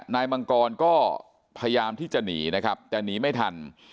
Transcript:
มังกรก็พยายามที่จะหนีนะครับแต่หนีไม่ทัน